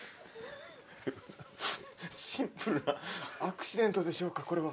シンプルなアクシデントでしょうかこれは。